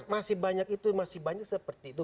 masih banyak itu masih banyak seperti itu